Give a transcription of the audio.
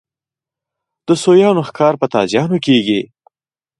د سویانو ښکار په تازیانو کېږي.